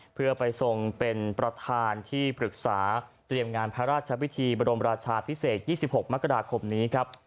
เพื่อไปทรงเป็นประธานที่ปรึกษาเตรียมงานพระราชพิธีบรมราชาพิเศษ๒๖มกราคมนี้ครับ